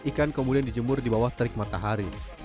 ikan kemudian dijemur di bawah terik matahari